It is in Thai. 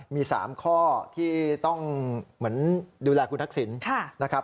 มี๓ข้อที่ต้องเหมือนดูแลคุณทักษิณนะครับ